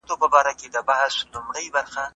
زه مخکي مکتب ته تللي وو